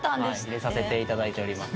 入れさせていただいております。